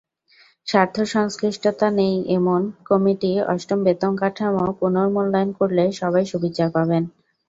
স্বার্থসংশ্লিষ্টতা নেই এমন কমিটি অষ্টম বেতনকাঠামো পুনর্মূল্যায়ন করলে সবাই সুবিচার পাবেন।